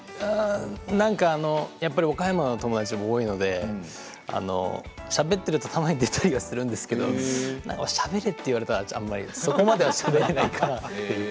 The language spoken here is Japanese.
なんかやっぱり岡山の友達も多いのでしゃべっていると、たまに出たりはするんですけれどしゃべれと言われたらあんまり、そこまではしゃべれないかなと。